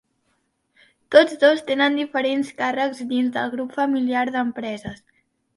Tots dos tenen diferents càrrecs dins del grup familiar d'empreses.